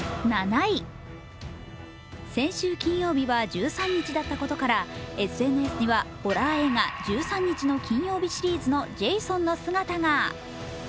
先週金曜日は１３日だったことからＳＮＳには、ホラー映画「１３日の金曜日」シリーズのジェイソンの姿が。